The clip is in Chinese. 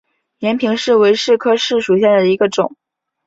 延平柿为柿科柿属下的一个种。